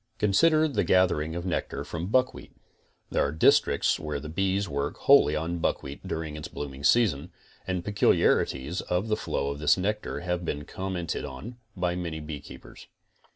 Consider the gathering of nectar from buckwheat. There are districts where the bees work wholly on buckwheat during its blooming s2ason, and peculiarities of the flow of this nectar have been commented on by many beekeepers.